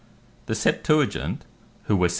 The Septuagint, who were 70.